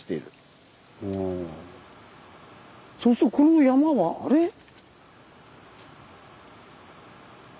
そうするとこの山はあれ？